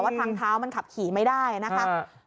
ทางเท้ามันขับขี่ไม่ได้นะคะ